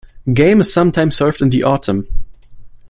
Game is sometimes served in the autumn.